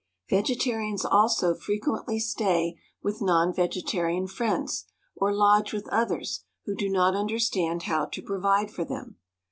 Vegetarians also frequently stay with non vegetarian friends, or lodge with others who do not understand how to provide for them.